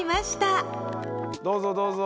どうぞどうぞ。